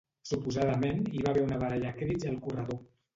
Suposadament hi va haver una baralla a crits al corredor.